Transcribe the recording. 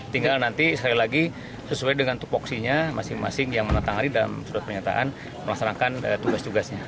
tinggal nanti sekali lagi sesuai dengan tupoksinya masing masing yang menantang hari dalam surat pernyataan melaksanakan tugas tugasnya